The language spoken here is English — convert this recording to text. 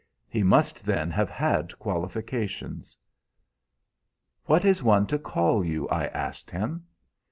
He must then have had qualifications. "'What is one to call you?' I asked him.